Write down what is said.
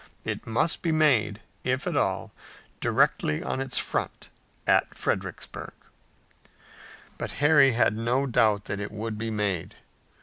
It must be made, if at all, directly on its front at Fredericksburg. But Harry had no doubt that it would be made.